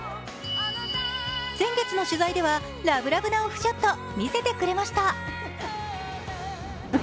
先月の取材ではラブラブなオフショット、見せてくれました。